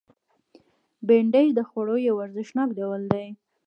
بېنډۍ د خوړو یو ارزښتناک ډول دی